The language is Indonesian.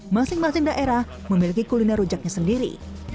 masing masing daerah memiliki kuliner rujaknya sendiri